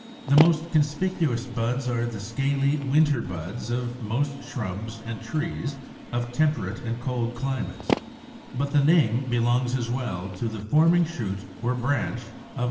The most conspicuous buds are the scaly winter buds of most shrubs and trees of temperate and cold climates; but the name belongs as well to the forming shoot or branch of any herb.